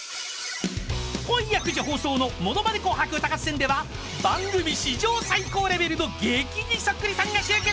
［今夜９時放送の『ものまね紅白歌合戦』では番組史上最高レベルの激似そっくりさんが集結］